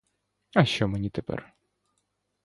А що мені тепер?